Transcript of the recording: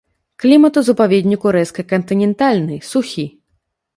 Клімат у запаведніку рэзка кантынентальны, сухі.